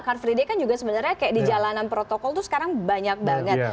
car free day kan juga sebenarnya kayak di jalanan protokol tuh sekarang banyak banget